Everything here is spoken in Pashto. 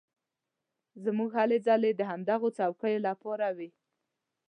زموږ هلې ځلې د همدغو څوکیو لپاره وې.